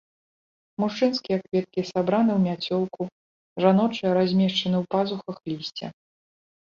Мужчынскія кветкі сабраны ў мяцёлку, жаночыя размешчаны ў пазухах лісця.